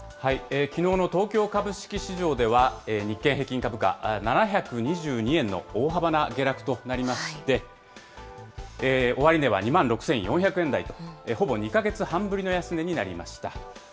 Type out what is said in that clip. きのうの東京株式市場では、日経平均株価７２２円の大幅な下落となりまして、終値は２万６４００円台と、ほぼ２か月半ぶりの安値になりました。